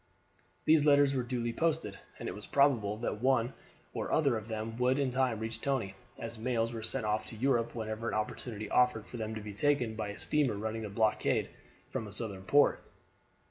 These letters were duly posted, and it was probable that one or other of them would in time reach Tony, as mails were sent off to Europe whenever an opportunity offered for them to be taken by a steamer running the blockade from a Southern port.